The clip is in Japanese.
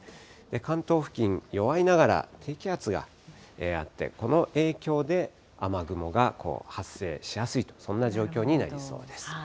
関東付近、弱いながら低気圧があって、この影響で、雨雲が発生しやすいと、そんな状況になりそうです。